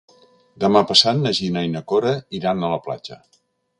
Demà passat na Gina i na Cora iran a la platja.